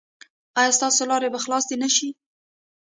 ایا ستاسو لارې به خلاصې نه شي؟